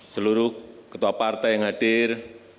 seluruh ketua partai yang hadir